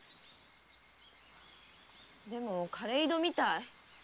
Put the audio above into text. でも枯れ井戸みたい。